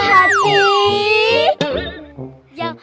yang berhati hati